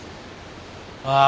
ああ。